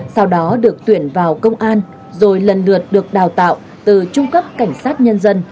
sau đó được tuyển vào công an rồi lần lượt được đào tạo từ trung cấp cảnh sát nhân dân